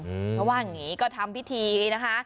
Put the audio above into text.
เพราะว่าอย่างนี้ก็ทำพิธีนะคะ